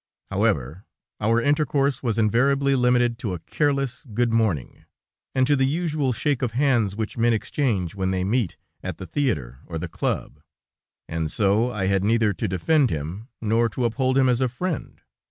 "However, our intercourse was invariably limited to a careless, 'Good morning,' and to the usual shake of the hands which men exchange when they meet at the theater or the club, and so I had neither to defend him, nor to uphold him as a friend.